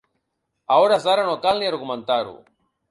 A hores d’ara no cal ni argumentar-ho.